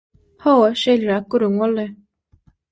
Hawa, şeýleräk gürrüň boldy.